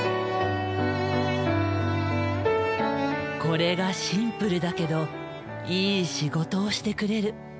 これがシンプルだけどいい仕事をしてくれる。